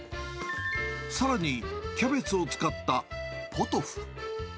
さらに、キャベツを使ったポトフ。